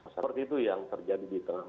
seperti itu yang terjadi di tengah